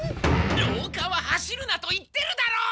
ろうかは走るなと言ってるだろう！